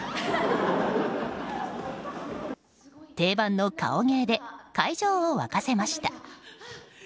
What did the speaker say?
定番の顔芸で会場を沸かせました。